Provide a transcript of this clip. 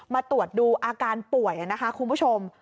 มาตรวจดูอาการป่วยนะคะคุณผู้ชม